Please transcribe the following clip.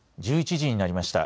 １１時になりました。